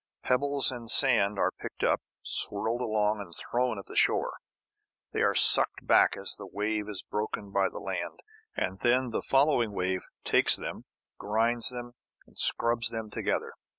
Pebbles and sand are picked up, swirled along, and thrown at the shore. They are sucked back as the wave is broken by the land. And then the following wave takes them, grinds them and scrubs them together.